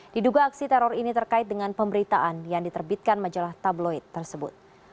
diduga aksi teror ini terkait dengan pemberitaan yang diterbitkan majalah tabloid tersebut